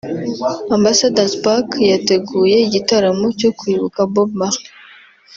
Ambassador's Park yateguye igitaramo cyo kwibuka Bob Marley